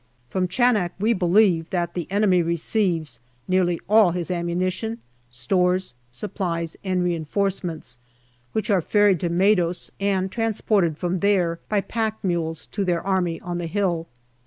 From Chanak we believe that the enemy receives nearly all his ammu nition, stores, supplies, and reinforcements, which are ferried to Maidos and transported from there by pack mules to their army on the Hill.